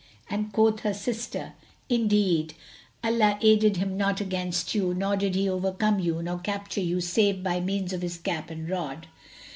And quoth her sister, "Indeed, Allah aided him not against you nor did he overcome you nor capture you save by means of this cap and rod."